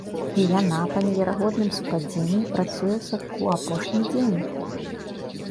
І яна па неверагодным супадзенні працуе ў садку апошні дзень!